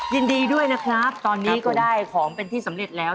ยินดีด้วยนะครับตอนนี้ก็ได้ของเป็นที่สำเร็จแล้ว